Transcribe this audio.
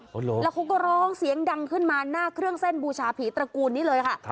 แล้วเขาก็ร้องเสียงดังขึ้นมาหน้าเครื่องเส้นบูชาผีตระกูลนี้เลยค่ะ